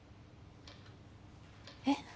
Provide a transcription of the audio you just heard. えっ？